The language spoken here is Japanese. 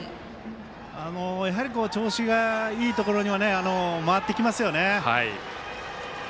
やはり調子のいいところには回ってきますよね。